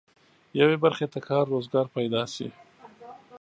یوې برخې ته کار روزګار پيدا شي.